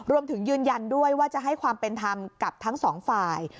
ยืนยันด้วยว่าจะให้ความเป็นธรรมกับทั้งสองฝ่าย